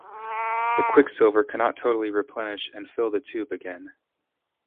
The quicksilver cannot totally replenish and fill the tube again.